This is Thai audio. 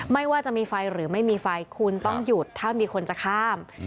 ว่าจะมีไฟหรือไม่มีไฟคุณต้องหยุดถ้ามีคนจะข้าม